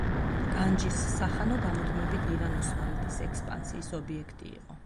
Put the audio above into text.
განჯის სახანო გამუდმებით ირან-ოსმალეთის ექსპანსიის ობიექტი იყო.